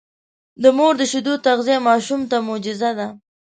د مور د شیدو تغذیه ماشوم ته معجزه ده.